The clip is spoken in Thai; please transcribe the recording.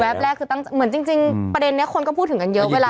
แรกคือตั้งเหมือนจริงประเด็นนี้คนก็พูดถึงกันเยอะเวลา